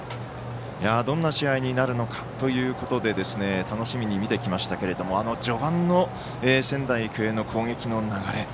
どんな試合になるのかというところで楽しみに見てきましたけれども序盤の仙台育英の攻撃の流れ。